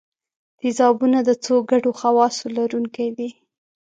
تیزابونه د څو ګډو خواصو لرونکي دي.